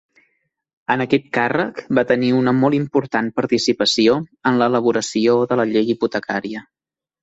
En aquest càrrec, va tenir una molt important participació en l'elaboració de la llei hipotecària.